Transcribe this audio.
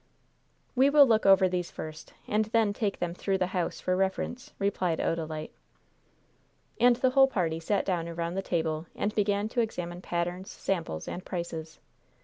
"We will look over these first, and then take them through the house for reference," replied Odalite. And the whole party sat down around the table, and began to examine patterns, samples and prices.